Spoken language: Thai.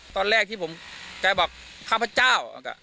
ตอนแรกที่ผมแกบอกข้าพเจ้า